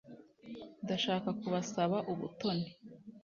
Ndashaka kubasaba ubutoni